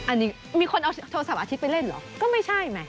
อันนี้มีคนเอาโทรศัพท์อาทิตย์ไปเล่นเหรอก็ไม่ใช่แหม